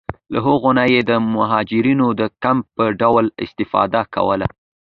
له هغو نه یې د مهاجرینو د کمپ په ډول استفاده کوله.